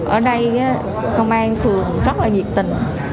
ở đây công an thường rất là nhiệt tình